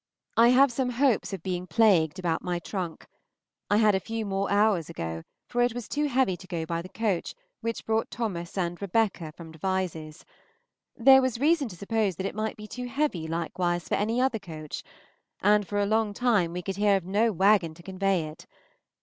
I have some hopes of being plagued about my trunk; I had more a few hours ago, for it was too heavy to go by the coach which brought Thomas and Rebecca from Devizes; there was reason to suppose that it might be too heavy likewise for any other coach, and for a long time we could hear of no wagon to convey it.